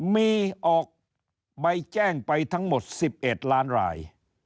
มีออกใบแจ้งไปทั้งหมด๑๑ล้านราย